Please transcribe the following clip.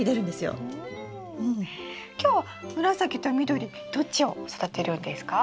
今日は紫と緑どっちを育てるんですか？